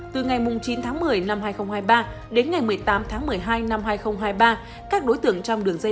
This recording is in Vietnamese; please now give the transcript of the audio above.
từ ngày chín tháng một mươi năm hai nghìn hai mươi ba đến ngày một mươi tám tháng một mươi hai năm hai nghìn hai mươi ba